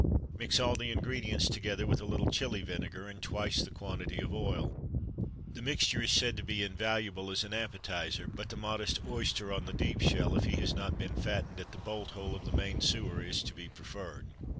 Mix all the ingredients together with a little Chili vinegar, and twice the quantity of oil. The mixture is said to be invaluable as an appetiser; but the modest oyster on the deep shell if he has not been fattened at the bolt hole of the main sewer is to be preferred.